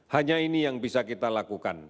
hanya ini yang bisa kita lakukan